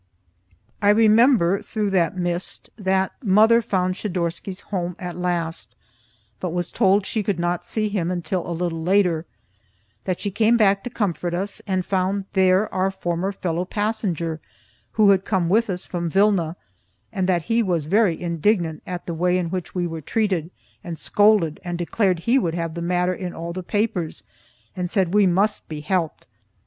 I remember through that mist that mother found Schidorsky's home at last, but was told she could not see him till a little later; that she came back to comfort us, and found there our former fellow passenger who had come with us from Vilna, and that he was very indignant at the way in which we were treated, and scolded, and declared he would have the matter in all the papers, and said we must be helped.